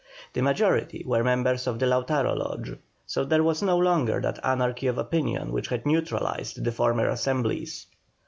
The majority were members of the Lautaro Lodge, so there was no longer that anarchy of opinion which had neutralized the former Assemblies.